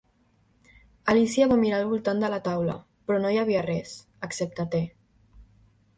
Alícia va mirar al voltant de la taula, però no hi havia res, excepte te.